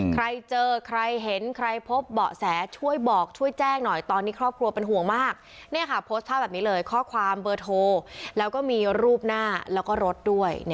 ใครเจอใครเห็นใครพบเบาะแสช่วยบอกช่วยแจ้งหน่อย